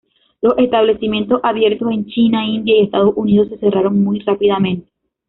Los establecimientos abiertos en China, India y Estados Unidos se cerraron muy rápidamente.